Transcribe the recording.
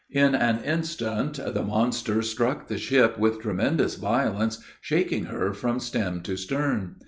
In an instant, the monster struck the ship with tremendous violence, shaking her from stem to stern!